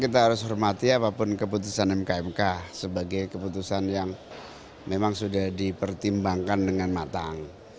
kita harus hormati apapun keputusan mkmk sebagai keputusan yang memang sudah dipertimbangkan dengan matang